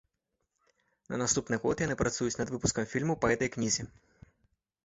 На наступны год яны працуюць над выпускам фільма па гэтай кнізе.